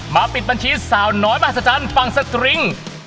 ปิดบัญชีสาวน้อยมหัศจรรย์ฝั่งสตริง